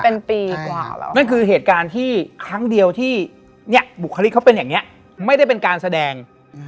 ก็คือเหตุการณ์ที่ครั้งเดียวที่บุคลิสเขาเป็นแบบนี้ไม่ได้เป็นการแสดง